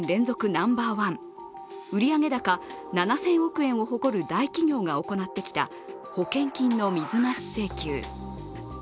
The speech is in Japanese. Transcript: ナンバーワン、売上高７０００億円を誇る大企業が行ってきた保険金の水増し請求。